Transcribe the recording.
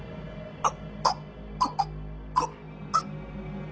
あっ！